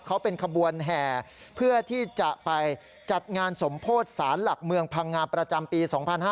เขาเป็นขบวนแห่เพื่อที่จะไปจัดงานสมโพธิสารหลักเมืองพังงาประจำปี๒๕๕๙